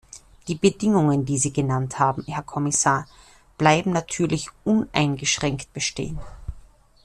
Die Bedingungen, die Sie genannt haben, Herr Kommissar, bleiben natürlich uneingeschränkt bestehen.